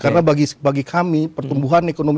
karena bagi kami pertumbuhan ekonomi